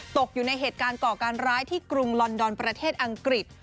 ตกอยู่ในเหตุการณ์ก่อการร้ายที่กรุงลอนดอนประเทศอังกฤษ